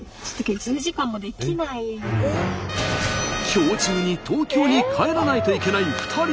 今日中に東京に帰らないといけない２人。